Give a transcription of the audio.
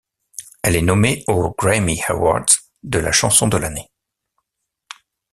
Elle est nommée au Grammy Award de la chanson de l'année.